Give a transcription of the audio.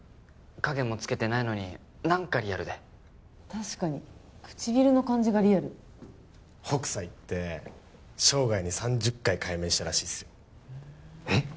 影もつけてないのに何かリアルで確かに唇の感じがリアル北斎って生涯に３０回改名したらしいっすよえっ！？